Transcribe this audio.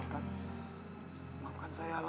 kau sudah adu